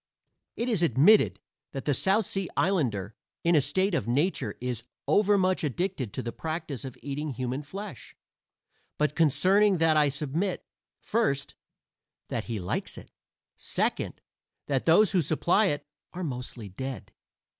It is admitted that the South Sea islander in a state of nature is overmuch addicted to the practice of eating human flesh; but concerning that I submit: first, that he likes it; second, that those who supply it are mostly dead.